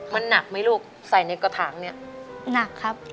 มันหนักไหมลูกใส่ในกระถางเนี่ยหนักครับ